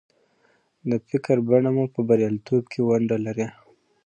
د فکر بڼه مو په برياليتوب کې ونډه لري.